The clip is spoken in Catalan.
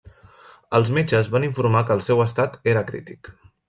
Els metges van informar que el seu estat era crític.